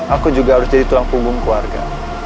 aku juga harus jadi tulang punggung keluarga